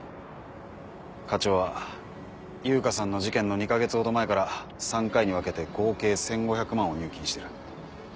課長は悠香さんの事件の２か月ほど前から３回に分けて合計１５００万を入金してる。